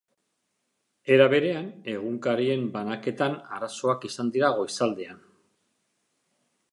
Era berean, egunkarien banaketan arazoak izan dira goizaldean.